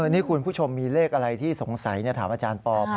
นี่คุณผู้ชมมีเลขอะไรที่สงสัยถามอาจารย์ปอ